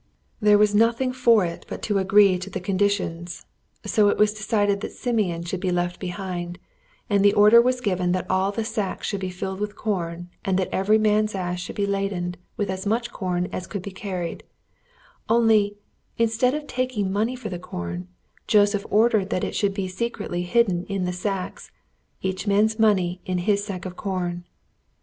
] There was nothing for it but to agree to the conditions, so it was decided that Simeon should be left behind, and the order was given that all the sacks should be filled with corn, and that every man's ass should be laden with as much corn as could be carried; only, instead of taking money for the corn, Joseph ordered that it should be secretly hidden in the sacks, each man's money in his sack of corn.